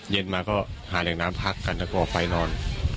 เย็นมาก็หาแหล่งน้ำพักกันแล้วก็ออกไปนอน